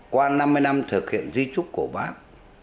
qua năm mươi năm thực hiện di trúc của bác